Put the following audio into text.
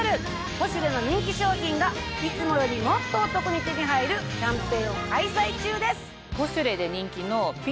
『ポシュレ』の人気商品がいつもよりもっとお得に手に入るキャンペーンを開催中です。